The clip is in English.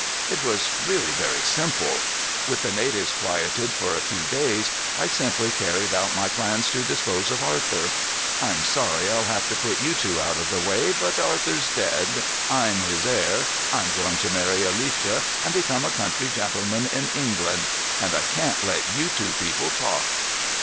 It was really very simple. With the natives quieted for a few days, I simply carried out my plans to dispose of Arthur. I'm sorry I'll have to put you two out of the way, but Arthur's dead, I'm his heir, I'm going to marry Alicia and become a country gentleman in England, and I can't let you two people talk."